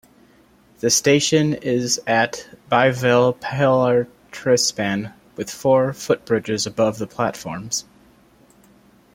The station is a bilevel pillar-trispan with four footbridges above the platforms.